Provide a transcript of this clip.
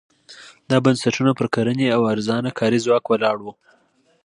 دا بنسټونه پر کرنې او ارزانه کاري ځواک ولاړ وو.